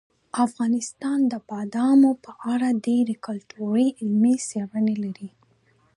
افغانستان د بادامو په اړه ډېرې ګټورې علمي څېړنې لري.